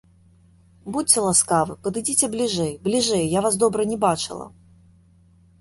Будзьце ласкавы, падыдзіце бліжэй, бліжэй, я вас добра не бачыла.